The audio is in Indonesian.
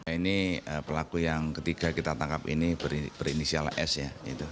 ini pelaku yang ketiga kita tangkap ini berinisial s ya